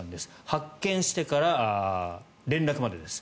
発見してから連絡までです。